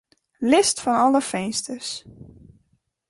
List fan alle finsters.